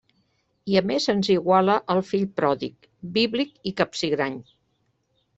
I a més ens iguala al fill pròdig, bíblic i capsigrany.